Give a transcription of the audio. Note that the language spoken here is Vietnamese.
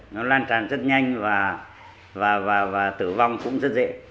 nó lan tràn rất nhanh và tử vong cũng rất dễ